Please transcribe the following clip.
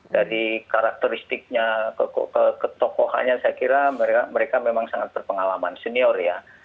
dari karakteristiknya ketokohannya saya kira mereka memang sangat berpengalaman senior ya